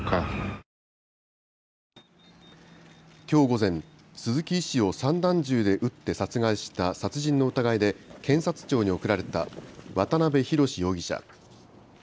きょう午前、鈴木医師を散弾銃で撃って殺害した殺人の疑いで検察庁に送られた渡邊宏容疑者。